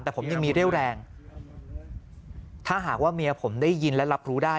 แต่ผมยังมีเรี่ยวแรงถ้าหากว่าเมียผมได้ยินและรับรู้ได้